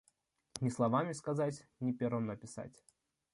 Ни словами сказать, ни пером написать.